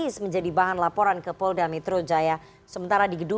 selamat malam pak saud